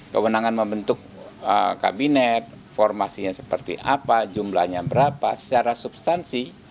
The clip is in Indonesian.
kewenangan membentuk kabinet formasinya seperti apa jumlahnya berapa secara substansi